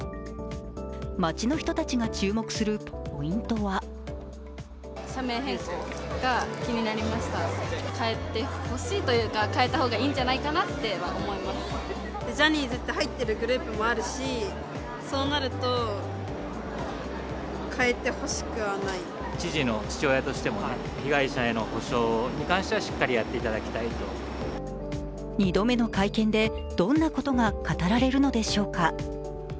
街の人たちが注目するポイントは２度目の会見で、どんなことが語られるのでしょうか。